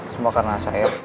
semua karena saya